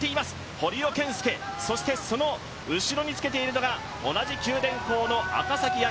堀尾謙介、そしてその後ろにつけているのが同じ九電工の赤崎暁。